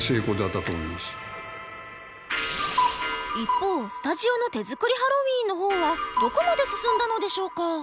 一方スタジオの手作りハロウィーンの方はどこまで進んだのでしょうか？